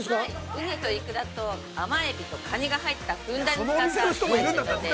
◆ウニとイクラと甘エビとカニが入ったふんだんに使った海鮮丼です。